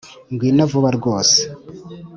ngwino vuba rwose